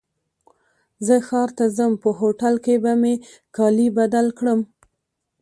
زه ښار ته ځم په هوټل کي به مي کالي بدل کړم.